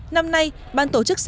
năm nay ban tổ chức sẽ